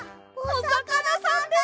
おさかなさんだ。